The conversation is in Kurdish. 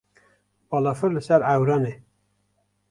Balafir li ser ewran e.